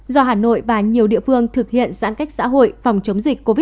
do hà nội và nhiều địa phương thực hiện giãn cách xã hội phòng chống dịch covid một mươi chín